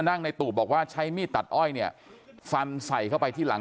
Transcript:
ในตูบบอกว่าใช้มีดตัดอ้อยเนี่ยฟันใส่เข้าไปที่หลัง